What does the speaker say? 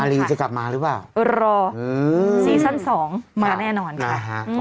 อารีจะกลับมาหรือเปล่าเออรออืมซีซั่นสองมาแน่นอนค่ะนะฮะ